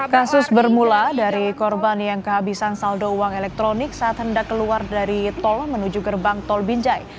kasus bermula dari korban yang kehabisan saldo uang elektronik saat hendak keluar dari tol menuju gerbang tol binjai